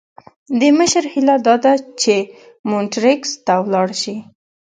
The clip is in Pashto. د مشر هیله داده چې مونټریکس ته ولاړ شي.